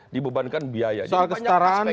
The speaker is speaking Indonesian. dibebankan biaya soal kestaraan